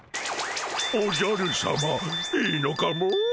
おじゃるさまいいのかモ？